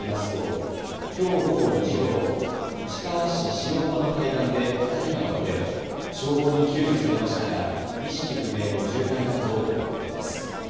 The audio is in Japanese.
ときょう午後２時ごろ、市川市塩浜の海岸で２人が溺れ消防に救助されましたが意識不明の重体だということです。